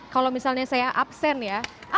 kalau misalnya saya absen ya